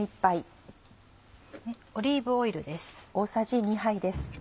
オリーブオイルです。